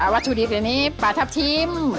วัตถุดิบตัวนี้ปลาทับทิม